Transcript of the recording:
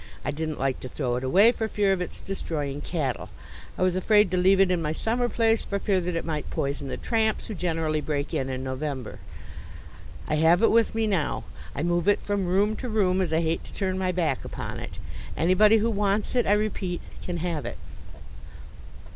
I didn't like to throw it away for fear of its destroying cattle. I was afraid to leave it in my summer place for fear that it might poison the tramps who generally break in in November. I have it with me now. I move it from room to room, as I hate to turn my back upon it. Anybody who wants it, I repeat, can have it.